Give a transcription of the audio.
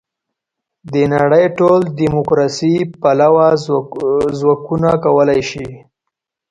د نړۍ ټول دیموکراسي پلوه ځواکونه کولای شي.